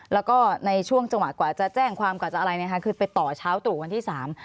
แล้วก็ในช่วงจังหวะกว่าจะแจ้งความกว่าจะอะไรนะคะคือไปต่อเช้าตรู่วันที่สาม